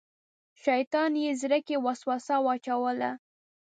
شیطان یې زړه کې وسوسه واچوله.